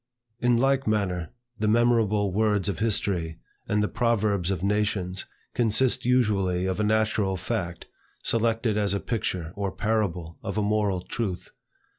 In like manner, the memorable words of history, and the proverbs of nations, consist usually of a natural fact, selected as a picture or parable of a moral truth.